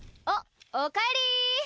おっおかえり！